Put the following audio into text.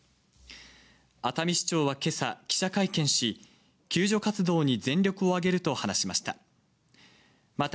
熱海市長は今朝記者会見し、救助活動に全力をあげると話しました。